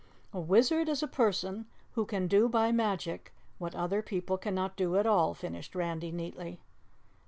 "A wizard is a person who can do by magic what other people cannot do at all," finished Randy neatly.